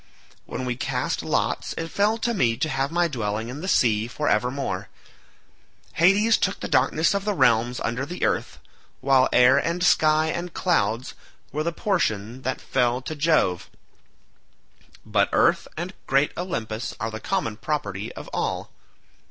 When we cast lots, it fell to me to have my dwelling in the sea for evermore; Hades took the darkness of the realms under the earth, while air and sky and clouds were the portion that fell to Jove; but earth and great Olympus are the common property of all.